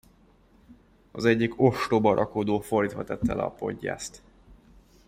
Az egyik ostoba rakodó fordítva tette le a poggyászt.